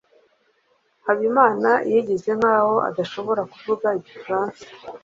Habimana yigize nkaho adashobora kuvuga igifaransa.